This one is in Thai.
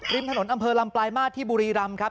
ริมถนนอำเภอลำปลายมาสที่บุรีรำครับ